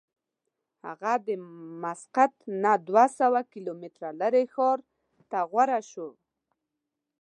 هغه د مسقط نه دوه سوه کیلومتره لرې ښار ته غوره شوه.